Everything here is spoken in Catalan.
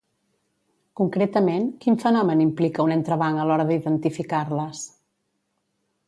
Concretament, quin fenomen implica un entrebanc a l'hora d'identificar-les?